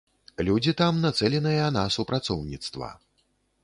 Людзі там нацэленыя на супрацоўніцтва.